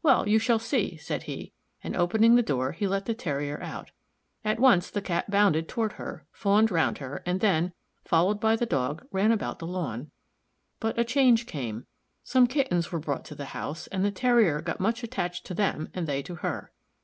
"Well, you shall see," said he, and opening the door he let the Terrier out. At once the Cat bounded toward her, fawned round her, and then, followed by the Dog, ran about the lawn. But a change came. Some kittens were brought to the house, and the Terrier got much attached to them and they to her.